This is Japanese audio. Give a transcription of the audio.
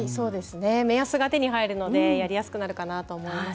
目安が手に入るのでやりやすくなるかなと思います。